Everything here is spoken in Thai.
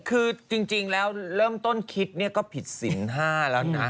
คือจริงแล้วเริ่มต้นคิดเนี่ยก็ผิดศีล๕แล้วนะ